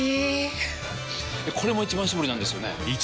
これも「一番搾り」なんですよね